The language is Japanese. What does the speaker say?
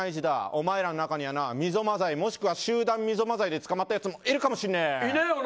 お前らの中にはみぞま罪もしくは集団みぞま罪で捕まったやつもいるかもしれない。